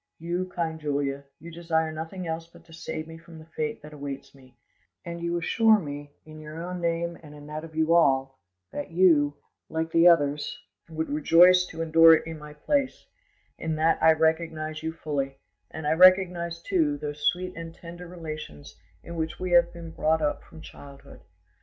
"You, kind Julia, you desire nothing else but to save me from the fate that awaits me; and you assure me in your own name and in that of you all, that you, like the others, would rejoice to endure it in my place; in that I recognise you fully, and I recognise, too, those sweet and tender relations in which we have been brought up from childhood.